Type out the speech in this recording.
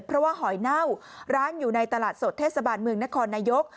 เพราะว่าหอยเน่าร้านอยู่ในตลาดสดเทศบาลเมืองนครนายก